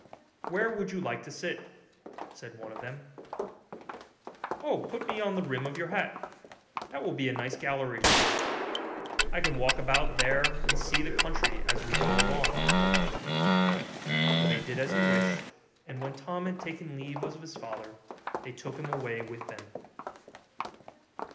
'Where would you like to sit?' said one of them. 'Oh, put me on the rim of your hat; that will be a nice gallery for me; I can walk about there and see the country as we go along.' So they did as he wished; and when Tom had taken leave of his father they took him away with them.